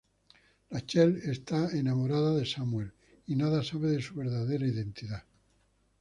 Rachel está enamorada de Samuel y nada sabe de su verdadera identidad.